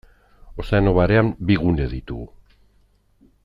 Ozeano Barean bi gune ditugu.